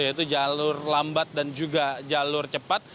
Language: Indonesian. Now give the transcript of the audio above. yaitu jalur lambat dan juga jalur cepat